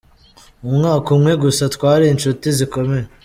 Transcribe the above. Umwaka umwe gusa twari inshuti zikomeye.